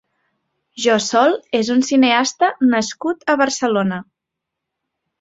Jo Sol és un cineasta nascut a Barcelona.